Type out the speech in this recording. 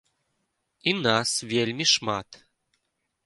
І нас вельмі шмат.